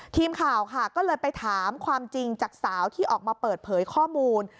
ทีมข่าวค่ะก็เลยไปถามความจริงจากสาวที่ออกมาเปิดเผยข้อมูล